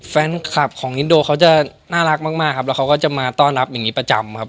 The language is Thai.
แฟนคลับของอินโดเขาจะน่ารักมากมากครับแล้วเขาก็จะมาต้อนรับอย่างนี้ประจำครับ